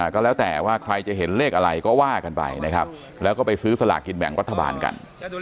ก็แล้วแต่ว่าใครจะเห็นเลขอะไรก็ว่ากันไปนะครับแล้วก็ไปซื้อสลากกินแบ่งรัฐบาลกัน